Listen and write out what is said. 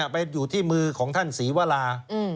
ไปอยู่ที่มือของท่านศรีวรา